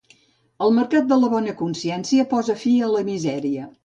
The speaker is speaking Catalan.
El mercat de la bona consciència posa fi a la misèria.